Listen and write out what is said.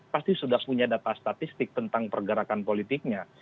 pasti sudah punya data statistik tentang pergerakan politiknya